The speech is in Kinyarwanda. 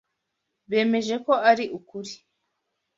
Bemeje ko ari ukuri.